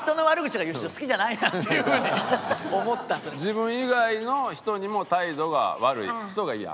自分以外の人にも態度が悪い人がイヤ？